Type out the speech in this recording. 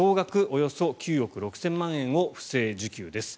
およそ９億６０００万円を不正受給です。